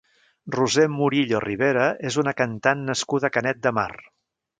Roser Murillo Ribera és una cantant nascuda a Canet de Mar.